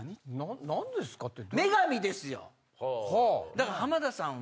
だから浜田さんは。